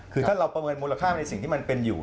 คือถ้าเราประเมินมูลค่าในสิ่งที่มันเป็นอยู่